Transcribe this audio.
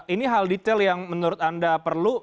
ini hal detail yang menurut anda perlu